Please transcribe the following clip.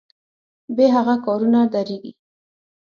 بې هغه کارونه دریږي.